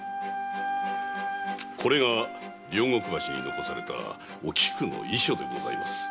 両国橋に残されたおきくの遺書でございます。